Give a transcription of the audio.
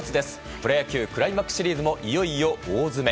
プロ野球クライマックスシリーズもいよいよ大詰め。